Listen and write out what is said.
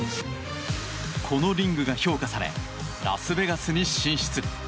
このリングが評価されラスベガスに進出。